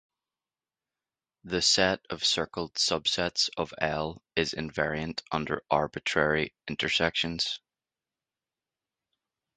The set of circled subsets of "L" is invariant under arbitrary intersections.